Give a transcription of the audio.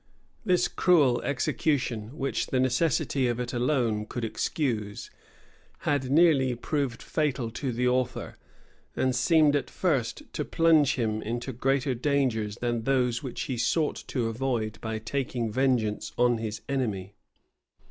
This cruel execution, which the necessity of it alone could excuse, had nearly proved fatal to the author, and seemed at first to plunge him into greater dangers than those which he sought to avoid by taking vengeance on his enemy.